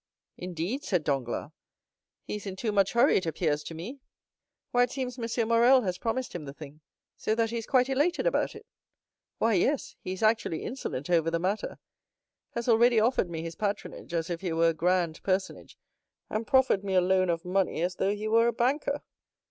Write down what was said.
"Indeed!" said Danglars, "he is in too much hurry, it appears to me." "Why, it seems M. Morrel has promised him the thing." "So that he is quite elated about it?" "Why, yes, he is actually insolent over the matter—has already offered me his patronage, as if he were a grand personage, and proffered me a loan of money, as though he were a banker."